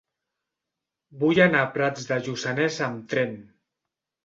Vull anar a Prats de Lluçanès amb tren.